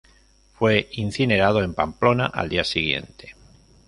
Fue incinerado en Pamplona al día siguiente.